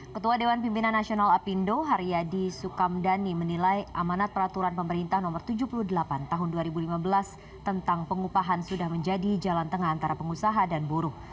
ketua dewan pimpinan nasional apindo haryadi sukamdhani menilai amanat peraturan pemerintah no tujuh puluh delapan tahun dua ribu lima belas tentang pengupahan sudah menjadi jalan tengah antara pengusaha dan buruh